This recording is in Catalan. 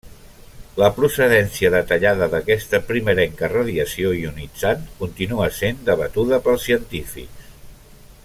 La procedència detallada d'aquesta primerenca radiació ionitzant continua sent debatuda pels científics.